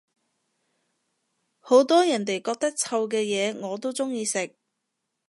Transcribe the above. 好多人哋覺得臭嘅嘢我都鍾意食